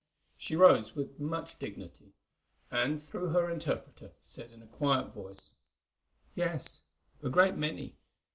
She rose with much dignity, and through her interpreter said in a quiet voice: "Yes, a great many.